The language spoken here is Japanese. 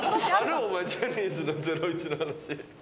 お前、ジャニーズのゼロイチ話。